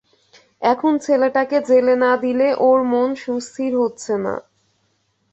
এখন ছেলেটাকে জেলে না দিলে ওঁর মন সুস্থির হচ্ছে না।